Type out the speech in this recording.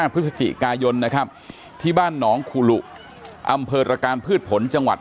พฤศจิกายนนะครับที่บ้านหนองคูหลุอำเภอตรการพืชผลจังหวัด